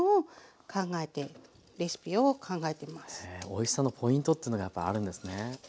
おいしさのポイントっていうのがやっぱりあるんですね。